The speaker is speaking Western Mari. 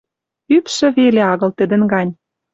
Ӱпшӹ веле агыл тӹдӹн гань.